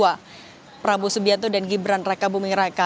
paslon nomor dua prabu subianto dan gibran rekabumi reka